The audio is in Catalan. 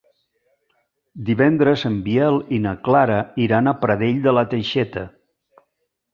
Divendres en Biel i na Clara iran a Pradell de la Teixeta.